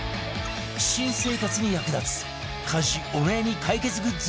新生活に役立つ家事お悩み解決グッズ